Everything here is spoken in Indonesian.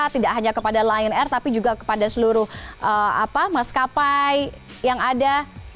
tidak hanya kepada lion air tapi juga kepada seluruh maskapai yang ada